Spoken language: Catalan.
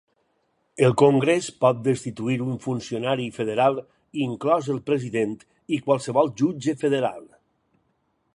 El Congrés pot destituir un funcionari federal, inclòs el president i qualsevol jutge federal.